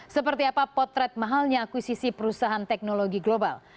seperti apa potret mahalnya akuisisi perusahaan teknologi global